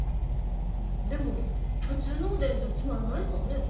でも普通のおでんじゃつまらないさぁねぇ？